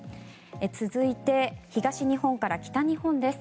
続いて東日本から北日本です。